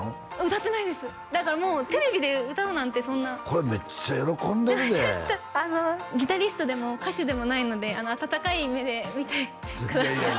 歌ってないですだからもうテレビで歌うなんてそんなこれめっちゃ喜んでるでギタリストでも歌手でもないので温かい目で見てください